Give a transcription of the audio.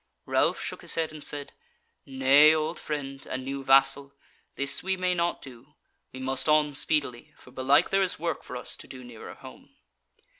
Ralph shook his head and said: "Nay, old friend, and new vassal, this we may not do: we must on speedily, for belike there is work for us to do nearer home."